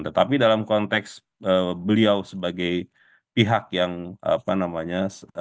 tetapi dalam konteks beliau sebagai pihak yang apa namanya